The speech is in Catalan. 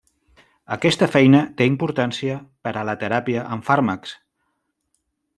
Aquesta feina té importància per a la teràpia amb fàrmacs.